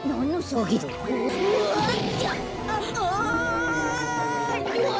うわ！